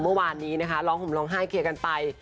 เมื่อวานนี้นะคะร้องห่มร้องไห้เคลียร์กันไป